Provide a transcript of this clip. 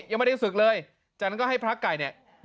ยังไม่ได้ศึกเลยจากนั้นก็ให้พระไก่เนี่ย